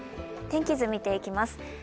天気図見ていきます。